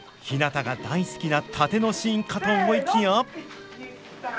ひなたが大好きな殺陣のシーンかと思いきや。